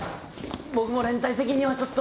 僕も連帯責任はちょっと。